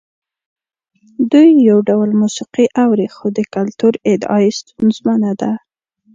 دوی یو ډول موسیقي اوري خو د کلتور ادعا یې ستونزمنه ده.